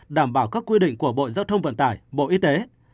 đảm bảo các quy định của bộ giao thông vận tải bộ y tế